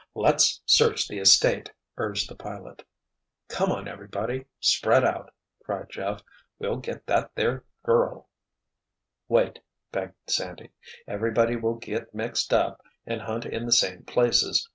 "Let's search the estate!" urged the pilot. "Come on, everybody—spread out—" cried Jeff. "We'll get that there girl——" "Wait!" begged Sandy. "Everybody will get mixed up and hunt in the same places.